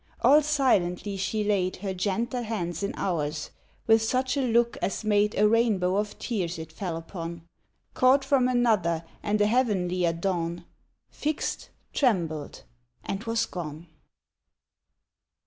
All silently she laid Her gentle hands in ours, with such a look as made A rainbow of tears it fell upon, Caught from another and a heavenlier dawn, Fixed trembled and was gone.